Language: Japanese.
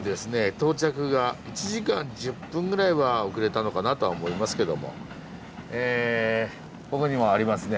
到着が１時間１０分ぐらいは遅れたのかなとは思いますけどもここにもありますね